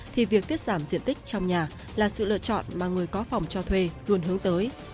thì việc tiết giảm diện tích trong nhà là sự lựa chọn mà người có phòng cho thuê luôn hướng tới